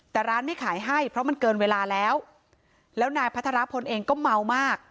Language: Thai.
แต่ร้านไม่ขายให้เพราะมันเกินเวลาแล้วแล้วนายพัทรพลเองก็เมามาก